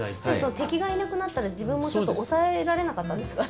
敵がいなくなったら自分も抑えられなかったんですかね？